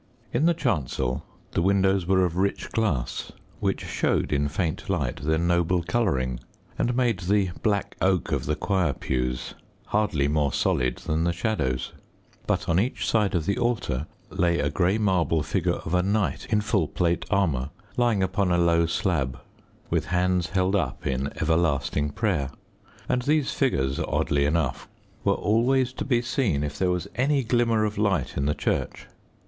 In the chancel, the windows were of rich glass, which showed in faint light their noble colouring, and made the black oak of the choir pews hardly more solid than the shadows. But on each side of the altar lay a grey marble figure of a knight in full plate armour lying upon a low slab, with hands held up in everlasting prayer, and these figures, oddly enough, were always to be seen if there was any glimmer of light in the church.